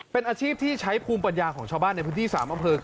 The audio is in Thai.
เป็นอาชีพที่ใช้ภูมิปัญญาของชาวบ้านในพื้นที่๓อำเภอ